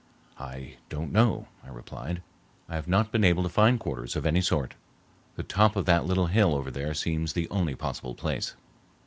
"I don't know," I replied. "I have not been able to find quarters of any sort. The top of that little hill over there seems the only possible place."